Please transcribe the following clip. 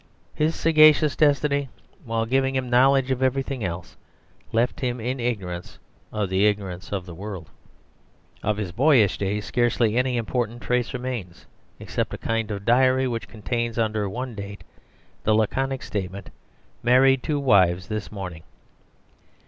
His sagacious destiny, while giving him knowledge of everything else, left him in ignorance of the ignorance of the world. Of his boyish days scarcely any important trace remains, except a kind of diary which contains under one date the laconic statement, "Married two wives this morning."